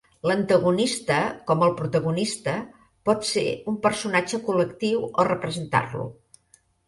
L'antagonista, com el protagonista, pot ser un personatge col·lectiu o representar-lo.